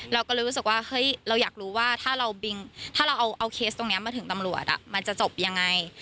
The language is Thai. เราก็เลยรู้สึกว่าเฮ้ยเราอยากรู้ว่าถ้าเราถ้าเราเอาเคสตรงนี้มาถึงตำรวจมันจะจบยังไง